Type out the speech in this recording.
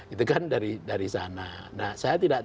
itu kan dari sana nah saya tidak